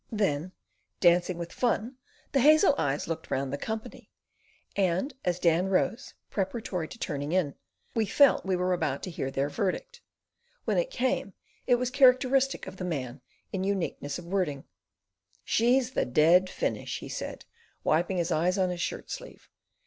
Then, dancing with fun, the hazel eyes looked round the company, and as Dan rose, preparatory to turning in, we felt we were about to hear their verdict. When it came it was characteristic of the man in uniqueness of wording: "She's the dead finish!" he said, wiping his eyes on his shirt sleeve.